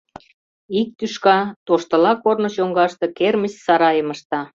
Ик тӱшка Тоштыла корно чоҥгаште кермыч сарайым ышта.